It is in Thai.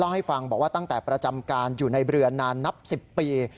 ให้ฟังบอกว่าตั้งแต่ประจำการอยู่ในเรือนานนับ๑๐ปี